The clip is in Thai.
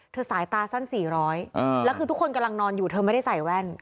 สายตาสั้น๔๐๐แล้วคือทุกคนกำลังนอนอยู่เธอไม่ได้ใส่แว่น